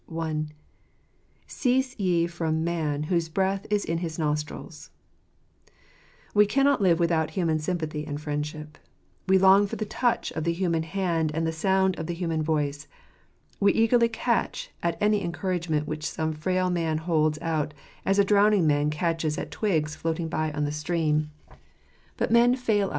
I ' v i. Cease ye from man , whose breath is in his nostrils I i We cannot live without human sympathy and friendship. ; We long for the touch of the human hand and the sound : of the human voice. We eagerly catch at any encourage i ment which some frail man holds out, as a drowning man j 1 catches at twigs floating by on the stream. But men fail/ \ I \ 68 %\jz j^tejrs nf t&c flftroite.